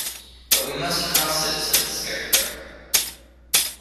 "But we must cross it," said the Scarecrow.